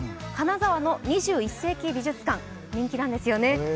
金沢の２１世紀美術館、人気なんですよね。